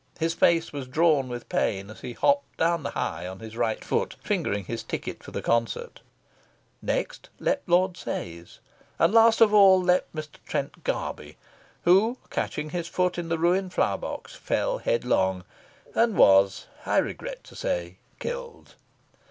His face was drawn with pain as he hopped down the High on his right foot, fingering his ticket for the concert. Next leapt Lord Sayes. And last of all leapt Mr. Trent Garby, who, catching his foot in the ruined flower box, fell headlong, and was, I regret to say, killed.